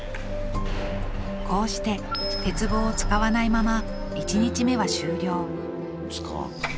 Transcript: こうして鉄棒を使わないまま１日目は終了